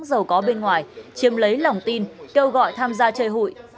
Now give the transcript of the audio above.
giàu có bên ngoài chiếm lấy lòng tin kêu gọi tham gia chơi hụi